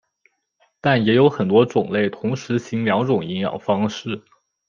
但也有很多种类同时行两种营养方式。